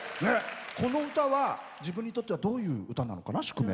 この歌は自分にとってはどういう歌なのかな、「宿命」。